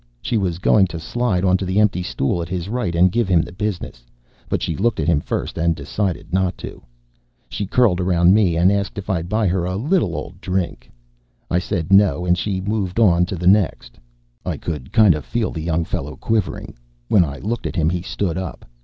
She was going to slide onto the empty stool at his right and give him the business, but she looked at him first and decided not to. She curled around me and asked if I'd buy her a li'l ole drink. I said no and she moved on to the next. I could kind of feel the young fellow quivering. When I looked at him, he stood up.